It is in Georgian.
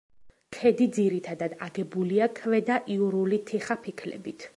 ქედი ძირითადად აგებულია ქვედაიურული თიხაფიქლებით.